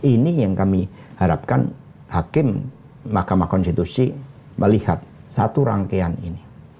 ini yang kami harapkan hakim mahkamah konstitusi melihat satu rangkaian ini